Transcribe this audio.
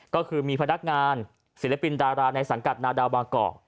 ก็คือมีพนักงานศิลปินดาราในสังกัดนาดาวบางกอก